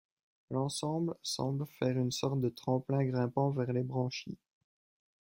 L'ensemble semble faire une sorte de tremplin grimpant vers les branchies.